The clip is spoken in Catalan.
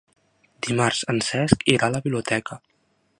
Dimarts en Cesc irà a la biblioteca.